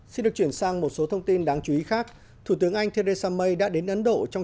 xin được chuyển sang một số thông tin đáng chú ý khác thủ tướng anh theresa may đã đến ấn độ trong